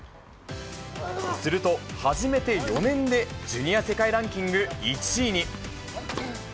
すると、始めて４年でジュニア世界ランキング１位に。